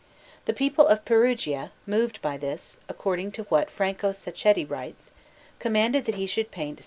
The people of Perugia, moved by this, according to what Franco Sacchetti writes, commanded that he should paint S.